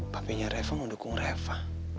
papinya reva mau dukung reva